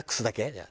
じゃあ。